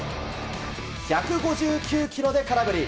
１５９キロで空振り。